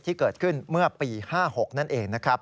ที่เกิดขึ้นเมื่อปี๕๖นั่นเองนะครับ